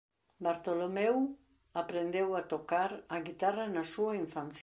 Bartolomeu aprendeu a tocar a guitarra na súa infancia.